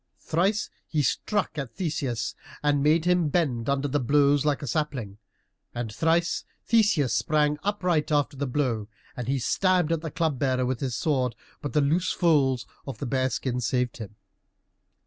Thrice he struck at Theseus and made him bend under the blows like a sapling. And thrice Theseus sprang upright after the blow, and he stabbed at the Club bearer with his sword, but the loose folds of the bear skin saved him.